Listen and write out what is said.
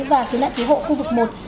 và cứu nạn cứu hộ khu vực một